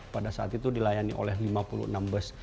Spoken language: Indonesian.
pada saat itu dilayani oleh lima puluh enam bus